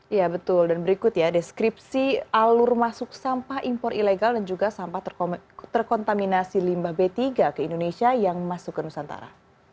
iya betul dan berikut ya deskripsi alur masuk sampah impor ilegal dan juga sampah terkontaminasi limbah b tiga ke indonesia yang masuk ke nusantara